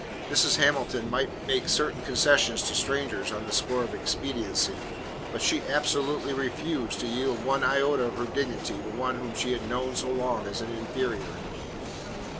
Mrs. Hamilton might make certain concessions to strangers on the score of expediency, but she absolutely refused to yield one iota of her dignity to one whom she had known so long as an inferior.